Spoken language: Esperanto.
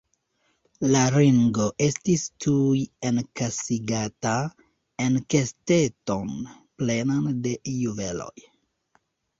La ringo estis tuj enkasigata en kesteton plenan de juveloj.